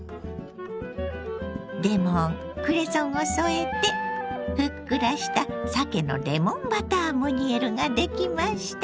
レモンクレソンを添えてふっくらしたさけのレモンバタームニエルができました。